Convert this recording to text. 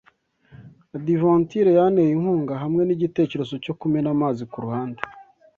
adventure yanteye inkunga, hamwe nigitekerezo cyo kumena amazi kuruhande